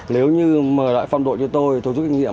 nếu như mở lại phong đội cho tôi tôi giúp kinh nghiệm